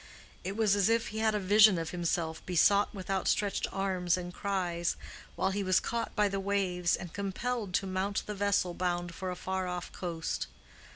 It was as if he had a vision of himself besought with outstretched arms and cries, while he was caught by the waves and compelled to mount the vessel bound for a far off coast.